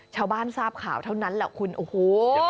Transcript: ชาวบ้านทราบข่าวเท่านั้นแหละคุณโอ้โห